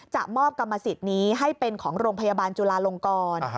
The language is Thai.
มอบกรรมสิทธิ์นี้ให้เป็นของโรงพยาบาลจุลาลงกร